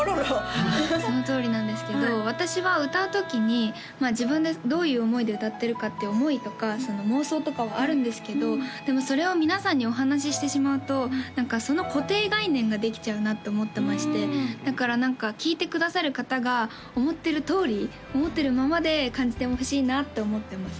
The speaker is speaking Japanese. そのとおりなんですけど私は歌う時に自分がどういう思いで歌ってるかって思いとか妄想とかもあるんですけどでもそれを皆さんにお話ししてしまうとその固定概念ができちゃうなと思ってましてだから聴いてくださる方が思ってるとおり思ってるままで感じてほしいなって思ってますね